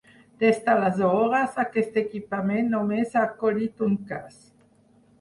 Des d’aleshores, aquest equipament només ha acollit un cas.